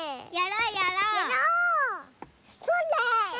それ！